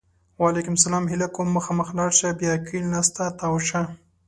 وعلیکم سلام! هیله کوم! مخامخ لاړ شه! بیا کیڼ لاس ته تاو شه!